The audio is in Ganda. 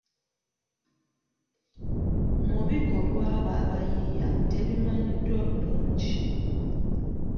Mu bikolwa abo abaabiyiiya tebamanyiddwa bulungi.